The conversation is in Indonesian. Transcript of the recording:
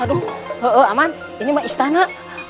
aduh aman ini istana